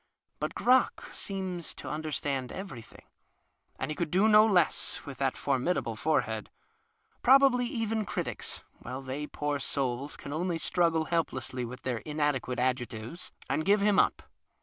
Cut Crock seems to under stand everything (he could do no less, with tluit noble forehead), probably even critics, while tiiey, poor souls, can only struggle helplessly witli their inadequate adjectives, and give him up.